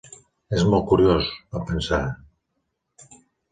"És molt curiós!", va pensar.